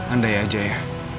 andai aja ya